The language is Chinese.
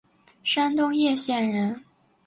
山东掖县人。